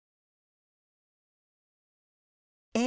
え？